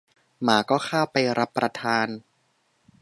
หมาก็คาบไปรับประทาน